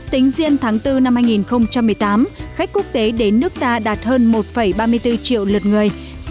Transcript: tính riêng tháng bốn năm hai nghìn một mươi tám khách quốc tế đến nước ta đạt hơn một ba mươi bốn triệu lượt người